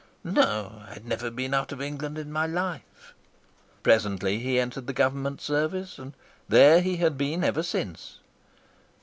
"No; I'd never been out of England in my life." Presently he entered the Government service, and there he had been ever since.